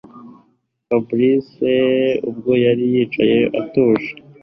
Fabric ubwo yari yicaye atuje